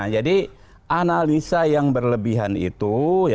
jadi analisa yang berlebihan itu